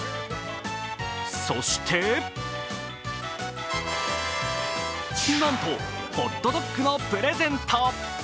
そしてなんと、ホットドッグのプレゼント。